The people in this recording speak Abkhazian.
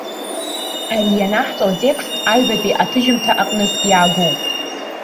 Ара ианаҳҵо атекст аҩбатәи аҭыжьымҭа аҟнытә иаагоуп.